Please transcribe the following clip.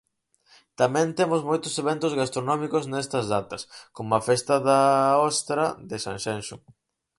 Tamén temos moitos eventos gastronómicos nestas datas, como a Festa da Ostra de Sanxenxo.